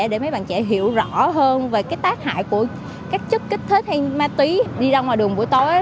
để mấy bạn trẻ hiểu rõ hơn về cái tác hại của các chất kích thích hay ma túy đi ra ngoài đường buổi tối